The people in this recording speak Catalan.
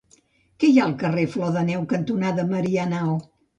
Què hi ha al carrer Flor de Neu cantonada Marianao?